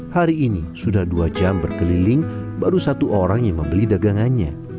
hari ini sudah dua jam berkeliling baru satu orang yang membeli dagangannya